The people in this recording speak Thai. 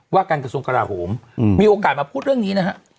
การกระทรวงกราโหมมีโอกาสมาพูดเรื่องนี้นะฮะ